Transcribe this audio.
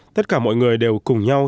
tất cả mọi người đều cùng nhau